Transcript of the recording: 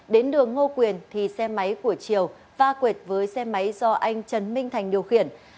đến đường ngô quyền thì xe máy của triều va quệt với xe máy do anh trần minh thành điều khiển